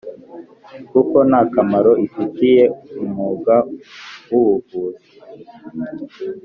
kuko nta kamaro ifitiye umwuga w ubuvuzi